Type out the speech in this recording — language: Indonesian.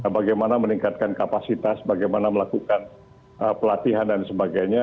bagaimana meningkatkan kapasitas bagaimana melakukan pelatihan dan sebagainya